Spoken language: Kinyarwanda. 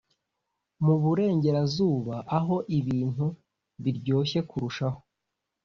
Mu Burengerazuba aho ibintu biryoshye kurushaho